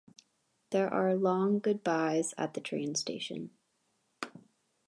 There are long good-byes at the train station.